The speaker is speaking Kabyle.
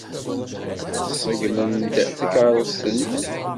Tṣeggmem-d takeṛṛust-nni.